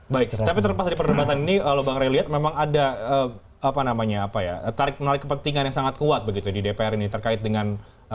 baik tapi terlepas dari perdebatan ini kalau bang ray lihat memang ada tarik menarik kepentingan yang sangat kuat begitu di dpr ini terkait dengan